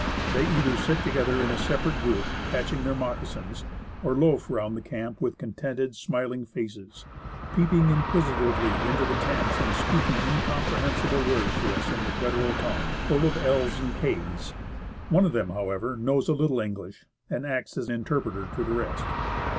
They either sit together in a separate group, patching their moccasins, or loaf round the camp with contented, smiling faces, peep ing inquisitively into the tents and speaking incomprehensible words to us in their guttural tongue, full of /'s and ^'s. One of them, how ever, knows a little English, and acts as interpreter to the rest.